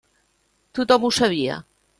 Tothom ho sabia.